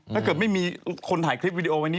ถ้าเกิดไม่มีคนถ่ายคลิปวีดีโอ